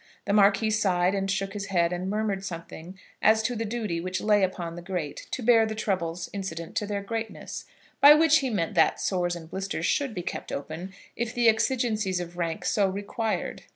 The Marquis sighed, and shook his head, and murmured something as to the duty which lay upon the great to bear the troubles incident to their greatness; by which he meant that sores and blisters should be kept open, if the exigencies of rank so required.